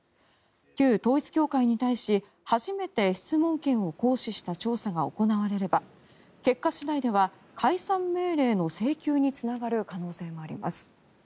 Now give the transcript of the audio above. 旧統一教会に対し初めて質問権を行使した調査が行われれば結果次第では解散命令の請求につながる可能性もあります。